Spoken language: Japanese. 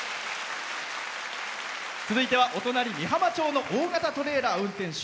続いてはお隣、美浜町の大型トレーラー運転手。